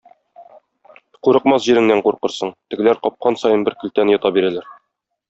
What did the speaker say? Курыкмас җиреңнән куркырсың: тегеләр капкан саен бер көлтәне йота бирәләр.